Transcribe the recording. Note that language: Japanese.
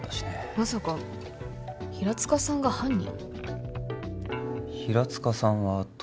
まさか平塚さんが犯人？